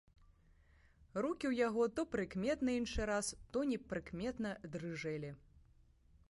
Рукі ў яго то прыкметна іншы раз, то непрыкметна дрыжэлі.